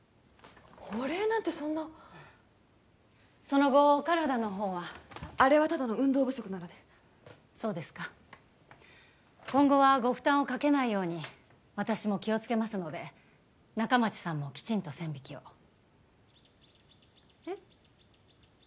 お礼なんてそんなその後お体のほうはあれはただの運動不足なのでそうですか今後はご負担をかけないように私も気をつけますので仲町さんもきちんと線引きをえっ？